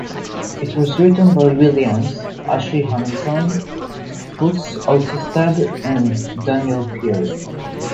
It was written by Williams, Ashley Hamilton, Boots Ottestad and Daniel Pierre.